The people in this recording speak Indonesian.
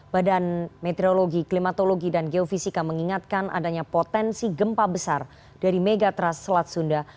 badan meteorologi klimatologi dan geofisika mengingatkan adanya potensi gempa besar dari megatrust selat sunda